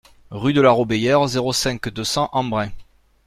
Rue de la Robéyère, zéro cinq, deux cents Embrun